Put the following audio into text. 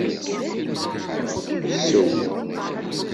Ssew.